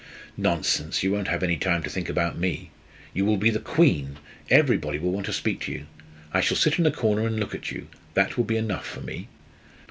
"Nonsense, you won't have any time to think about me. You will be the queen everybody will want to speak to you. I shall sit in a corner and look at you that will be enough for me."